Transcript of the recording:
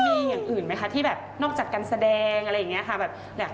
มีอย่างอื่นไหมคะที่แบบนอกจากการแสดงอะไรอย่างนี้ค่ะ